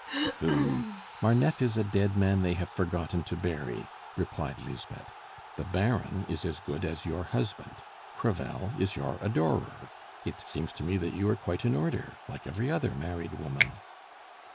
"Pooh! Marneffe is a dead man they have forgotten to bury," replied Lisbeth. "The Baron is as good as your husband; Crevel is your adorer; it seems to me that you are quite in order like every other married woman."